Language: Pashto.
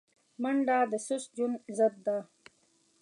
منډه د سست ژوند ضد ده